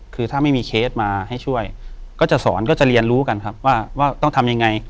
คือถ้าไม่มีเคสมาให้ช่วยก็จะสอนก็จะเรียนรู้กันครับว่าต้องทำยังไง